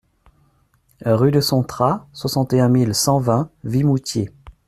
Rue de Sontra, soixante et un mille cent vingt Vimoutiers